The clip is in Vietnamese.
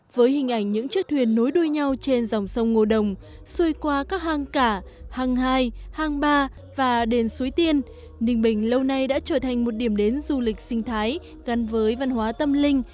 với hình ảnh những chiếc thuyền nối đuôi nhau trên dòng sông ngô đồng xuôi qua các hang cả hang hai hang ba và đền suối tiên ninh bình lâu nay đã trở thành một điểm đến du lịch sinh thái gắn với văn hóa tâm linh